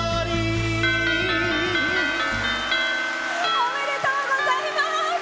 おめでとうございます！